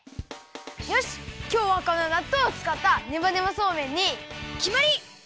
よしきょうはこのなっとうをつかったねばねばそうめんにきまり！